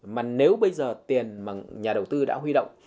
mà nếu bây giờ tiền mà nhà đầu tư đã huy động